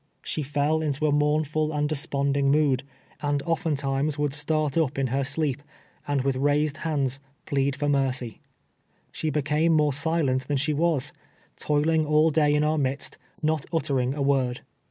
She fell into a mournful and desponding mood, and often PATSEy's roEA OF GOD, &0. 259 times would start up in her sleep, and with raised hands, plead for mercy. She became more silent than she was, toiling all day in our midst, not uttering a word.